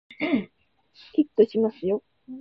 キックしますよ